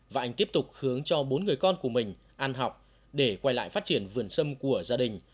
và anh tiếp tục hướng cho bốn người con của mình ăn học để quay lại phát triển vườn sâm của gia đình